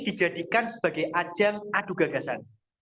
dijadikan sebagai ajang adu gagasan